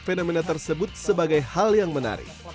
fenomena tersebut sebagai hal yang menarik